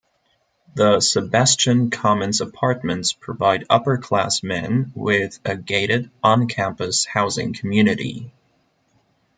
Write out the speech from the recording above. The Sebastian Commons Apartments provide upperclassmen with a gated, on-campus housing community.